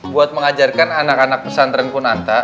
buat mengajarkan anak anak pesantren kunanta